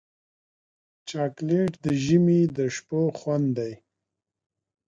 چاکلېټ د ژمي د شپو خوند دی.